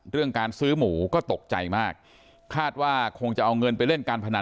เรื่องการซื้อหมูก็ตกใจมากคาดว่าคงจะเอาเงินไปเล่นการพนัน